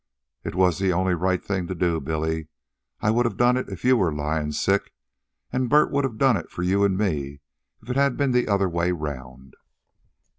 "It was the only right thing to do, Billy. I would have done it if you were lying sick, and Bert would have done it for you an' me if it had been the other way around."